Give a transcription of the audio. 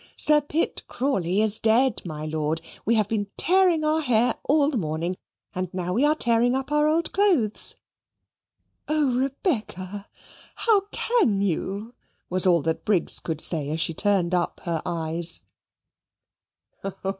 "Sir Pitt Crawley is dead, my lord. We have been tearing our hair all the morning, and now we are tearing up our old clothes." "Oh, Rebecca, how can you " was all that Briggs could say as she turned up her eyes.